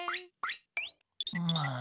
まあ。